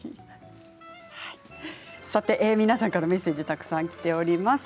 さて、皆さんからメッセージたくさんきております。